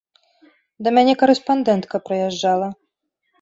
Да мяне карэспандэнтка прыязджала.